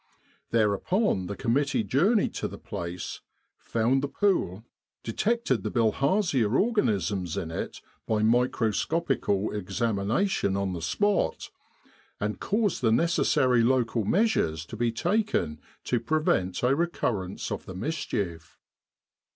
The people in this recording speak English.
Thereupon the committee journeyed to the place, found the pool, p 229 With the R.A.M.C. in Egypt detected the bilharzia organisms in it by micro scopical examination on the spot, and caused the necessary local measures to be taken to prevent a recurrence of the mischief.